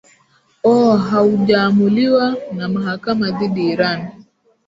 o hauja amuliwa na mahakama dhidi iran